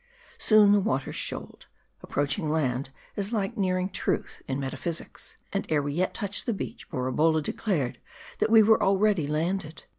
Soon the water shoaled (approaching land is like nearing truth in metaphysics), and ere we yet touched the beach, Borabolla declared, that we were already landed.